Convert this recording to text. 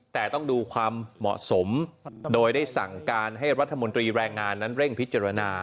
แต่ต้องดูความเหมาะสมโดยได้สั่งการให้รัฐมนตรีแรงงานนั้นเร่งพิจารณา